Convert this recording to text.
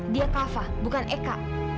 dia kava bukan eka